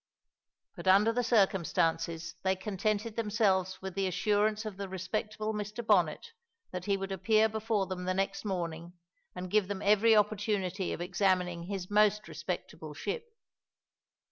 But under the circumstances they contented themselves with the assurance of the respectable Mr. Bonnet that he would appear before them the next morning and give them every opportunity of examining his most respectable ship.